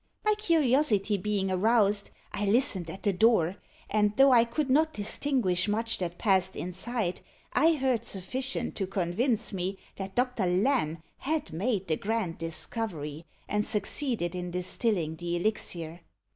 My curiosity being aroused, I listened at the door, and though I could not distinguish much that passed inside, I heard sufficient to convince me that Doctor Lamb had made the grand discovery, and succeeded in distilling the elixir.